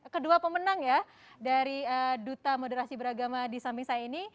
kedua pemenang ya dari duta moderasi beragama di samping saya ini